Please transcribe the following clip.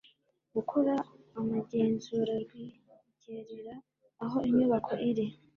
gukora amagenzura rwigerera aho inyubako iri